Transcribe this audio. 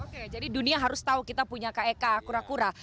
oke jadi dunia harus tahu kita punya kek kura kura